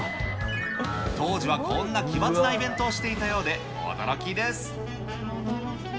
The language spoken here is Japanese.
当時はこんな奇抜なイベントをしていたようで、驚きです。